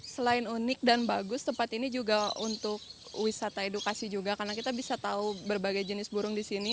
selain unik dan bagus tempat ini juga untuk wisata edukasi juga karena kita bisa tahu berbagai jenis burung di sini